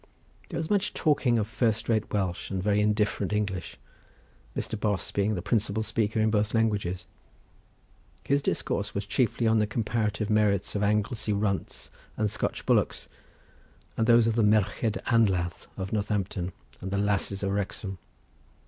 There was much talking of first rate Welsh and very indifferent English, Mr. Bos being the principal speaker in both languages; his discourse was chiefly on the comparative merits of Anglesey runts and Scotch bullocks, and those of the merched anladd of Northampton and the lasses of Wrexham.